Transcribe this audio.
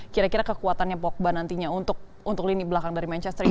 kira kira kekuatannya pogba nantinya untuk lini belakang dari manchester unit